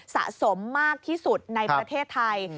สะสมมากที่สุดในประเทศไทย